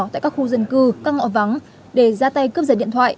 tại các khu dân cư các ngõ vắng để ra tay cướp giật điện thoại